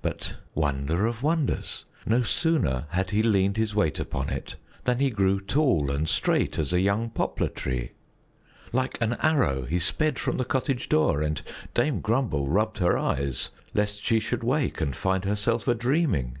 But wonder of wonders! No sooner had he leaned his weight upon it than he grew tall and straight as a young poplar tree. Like an arrow he sped from the cottage door, and Dame Grumble rubbed her eyes lest she should wake and find herself a dreaming.